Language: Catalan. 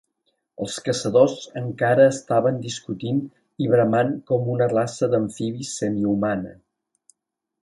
Els caçadors encara estaven discutint i bramant com una raça d'amfibis semihumana.